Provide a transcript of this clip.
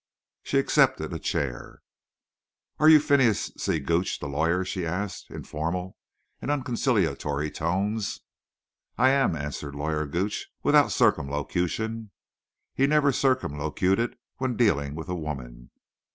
She accepted a chair. "Are you Mr. Phineas C. Gooch, the lawyer?" she asked, in formal and unconciliatory tones. "I am," answered Lawyer Gooch, without circumlocution. He never circumlocuted when dealing with a woman.